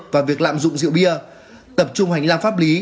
và việc lạm dụng rượu bia tập trung hành lang pháp lý